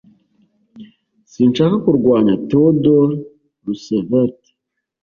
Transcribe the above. Sinshaka kurwanya Theodore Roosevelt